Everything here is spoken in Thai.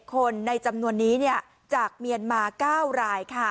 ๒๑คนในจำนวนนี้จากเมียนมาร์๙ราย